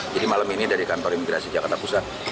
jadi malam ini dari kantor imigrasi jakarta pusat